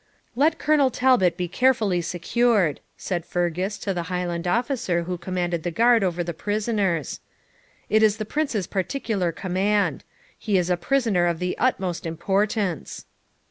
'Let Colonel Talbot be carefully secured,' said Fergus to the Highland officer who commanded the guard over the prisoners; 'it is the Prince's particular command; he is a prisoner of the utmost importance.'